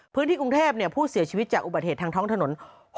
พื้นที่กรุงเทพผู้เสียชีวิตจากอุบัติเหตุทางท้องถนน